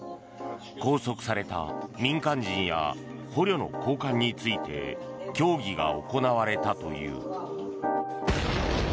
拘束された民間人や捕虜の交換について協議が行われたという。